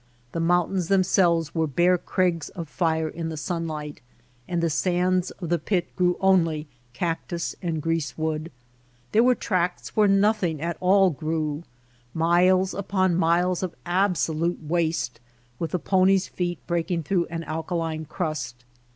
The mountains themselves were bare crags of fire in the sunlight, and the sands of the pit grew only cactus and grease wood. There were tracts where nothing at all grew — miles upon miles of absolute waste with the pony's feet breaking through an alkaline crust.